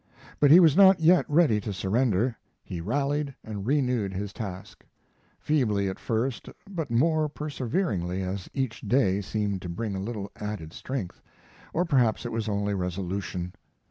But he was not yet ready to surrender. He rallied and renewed his task; feebly at first, but more perseveringly as each day seemed to bring a little added strength, or perhaps it was only resolution.